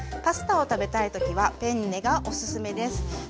パスタを食べたい時はペンネがおすすめです。